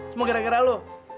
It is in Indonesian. semua gara gara lu